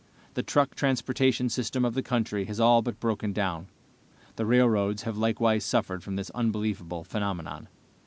The truck transportation system of the country has all but broken down. The railroads have likewise suffered from this unbelievable phenomenon.